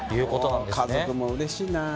家族もうれしいなぁ。